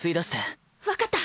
分かった。